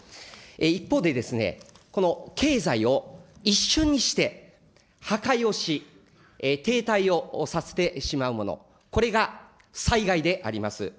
一方で、この経済を一瞬にして破壊をし、停滞をさせてしまうもの、これが災害であります。